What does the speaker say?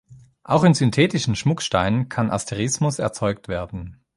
Auch in synthetischen Schmucksteinen kann Asterismus erzeugt werden.